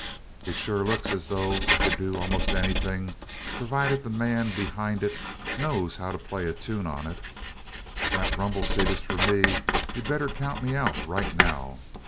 "It sure looks as though it could do almost anything, provided the man behind it knows how to play a tune on it but if that rumble seat is for me, you'd better count me out right now.